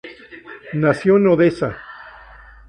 Nació en Odesa.